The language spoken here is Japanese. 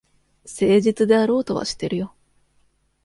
誠実であろうとはしてるよ。